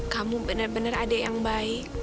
kamu bener bener adik yang baik